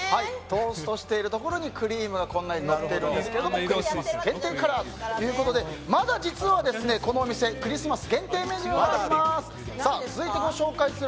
トーストしているところにクリームがのっているんですけどクリスマス限定カラーということでまだ実は、このお店クリスマス限定メニューがあります！